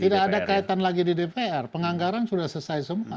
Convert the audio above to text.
tidak ada kaitan lagi di dpr penganggaran sudah selesai semua